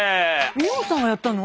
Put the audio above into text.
美穂さんがやったの？